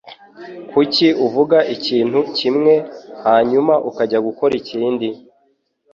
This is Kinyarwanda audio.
Kuki uvuga ikintu kimwe, hanyuma ukajya gukora ikindi? .